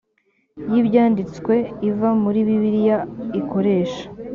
y ibyanditswe iva muri bibiliya ikoresha